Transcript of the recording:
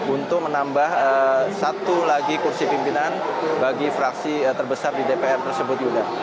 untuk menambah satu lagi kursi pimpinan bagi fraksi terbesar di dpr tersebut yuda